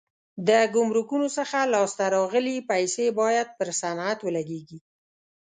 د ګمرکونو څخه لاس ته راغلي پیسې باید پر صنعت ولګېږي.